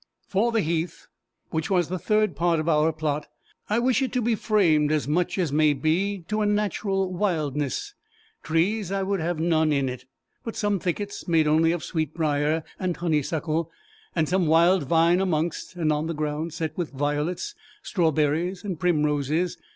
"For the heath, which was the third part of our plot, I wish it to be framed, as much as may be, to a natural wildness. Trees I would have none in it; but some thickets, made only of sweetbriar, and honnysuckle, and some wild vine amongst; and the ground set with violets, strawberries, and primroses.